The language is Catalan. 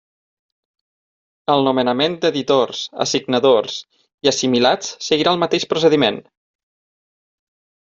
El nomenament d'editors, assignadors i assimilats seguirà el mateix procediment.